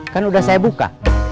kan udah saya buka